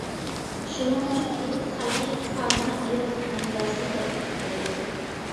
شۇنىڭ ئۈچۈن ئىدىقۇت خەلقى كارىزنى ھاياتلىق مەنبەسىنى دەپ تەرىپلەيدۇ.